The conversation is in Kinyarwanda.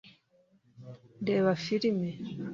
ndeba Film